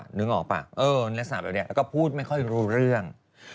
นึกออกป่ะลักษณะแบบนี้แล้วก็พูดไม่ค่อยรู้เรื่อง